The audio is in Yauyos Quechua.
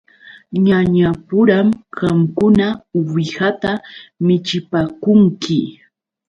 Ñañapuram qamkuna uwihata michipaakunki.